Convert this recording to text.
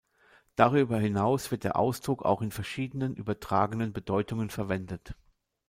Darüber hinaus wird der Ausdruck auch in verschiedenen übertragenen Bedeutungen verwendet.